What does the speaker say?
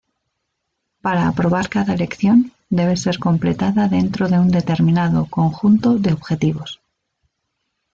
Para aprobar cada lección, debe ser completada dentro de un determinado conjunto de objetivos.